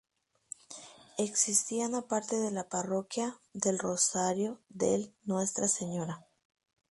Existían aparte de la parroquia "del Rosario del Ntra..Sra.